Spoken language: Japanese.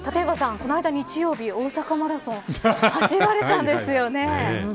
この間日曜日、大阪マラソン走られたんですよね。